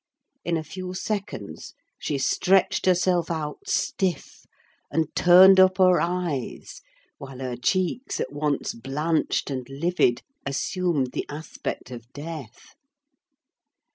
In a few seconds she stretched herself out stiff, and turned up her eyes, while her cheeks, at once blanched and livid, assumed the aspect of death.